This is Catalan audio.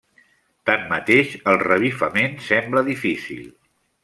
Tanmateix, el revifament sembla difícil.